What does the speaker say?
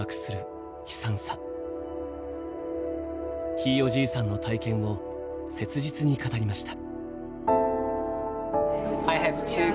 ひいおじいさんの体験を切実に語りました。